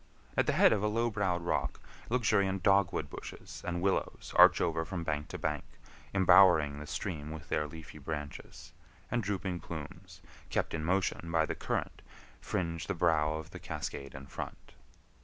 At the head of a low browed rock, luxuriant dogwood bushes and willows arch over from bank to bank, embowering the stream with their leafy branches; and drooping plumes, kept in motion by the current, fringe the brow of the cascade in front.